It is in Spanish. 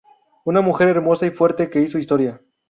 Una mujer hermosa y fuerte que hizo historia.